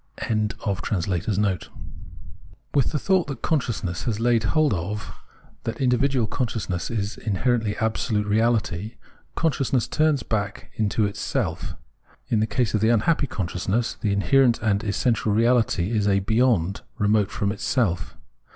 ] V REASON'S CERTAINTY AND REASON'S TRUTH WITH the thought which consciousness has laid hold of, that the individual consciousness is ta herently absolute reaHty, consciousness turns back into itself. In the case of the unhappy consciousness, the inherent and essential reality is a "beyond" remote from itself.